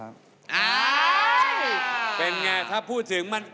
เป็นไงถ้าพูดถึงมัน